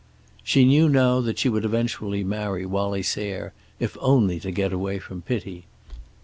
She knew now that she would eventually marry Wallie Sayre if only to get away from pity.